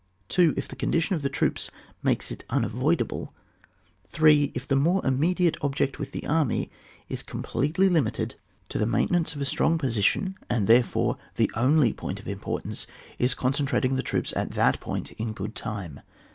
2. If the condition of the troops makes it unavoidable. 3. If the more immediate object with the army is completely limited to the CHAP, xrv.] SUBSISTENCE. 48 maintenance of a strong position, and therefore the only point of importance is concentrating the troops at that point in good time.